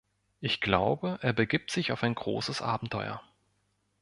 Ich glaube, er begibt sich auf ein großes Abenteuer.